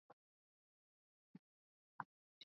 kwa sababu Anacconda hutembea pole pole sana